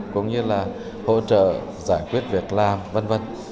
cũng như là hỗ trợ giải quyết việc làm vân vân